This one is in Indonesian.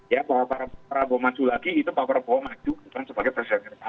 ya prabowo maju lagi itu prabowo maju sebagai presiden